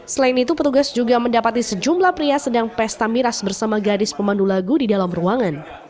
selain itu petugas juga mendapati sejumlah pria sedang pesta miras bersama gadis pemandu lagu di dalam ruangan